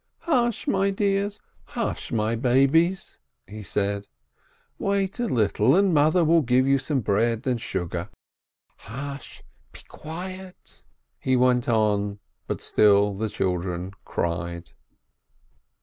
"Hush, my dears ! Hush, my babies !" he said. "Wait a little and mother will give you some bread and sugar. Hush, be quiet!" He went on, but still the children cried.